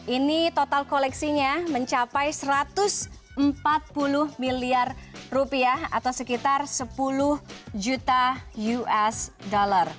ini total koleksinya mencapai satu ratus empat puluh miliar rupiah atau sekitar sepuluh juta usd